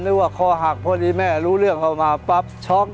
ว่าคอหักพอดีแม่รู้เรื่องเข้ามาปั๊บช็อก